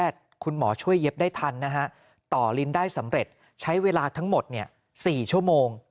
ต่อลิ้นได้สำเร็จใช้เวลาทั้งหมด๔ชั่วโมง